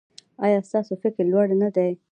ایا ستاسو فکر لوړ نه دی؟